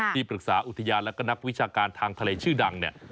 ที่ปรึกษาอุทยานและก็นักวิชาการทางทะเลชื่อดังเนี่ย